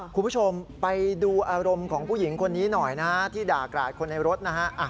คุณผู้ชมไปดูอารมณ์ของผู้หญิงคนนี้หน่อยนะฮะที่ด่ากราดคนในรถนะฮะ